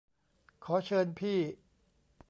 ขอเชิญพี่